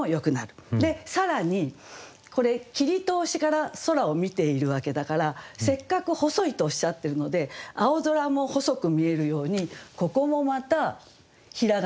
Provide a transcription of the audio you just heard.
更にこれ切通しから空を見ているわけだからせっかく「細い」とおっしゃってるので青空も細く見えるようにここもまた平仮名にしましょう。